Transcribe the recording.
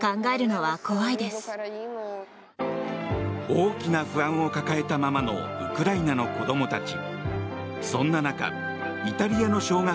大きな不安を抱えたままのウクライナの子供たち。